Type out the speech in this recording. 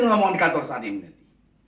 inilah omongan di kantor saat ini nettie